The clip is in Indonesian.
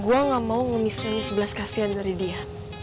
gue gak mau ngemis ngemis belas kasihan dari dia